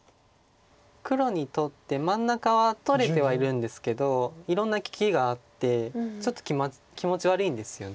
黒にとって真ん中は取れてはいるんですけどいろんな利きがあってちょっと気持ち悪いんですよね。